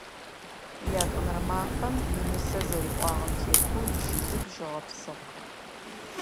Ятӏонэрэ мафэм инысэ зэриӏуагъэм тетэу ищыдыбжь ыгъэпсыгъ.